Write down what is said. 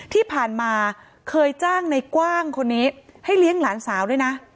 ที่ผ่านมาเคยจ้างในกว้างคนนี้ให้เลี้ยงหลานสาวด้วยนะ